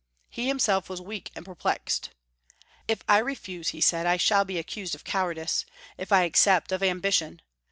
He himself was weak and perplexed. "If I refuse," he said, "I shall be accused of cowardice ; if I accept, of ambi tion.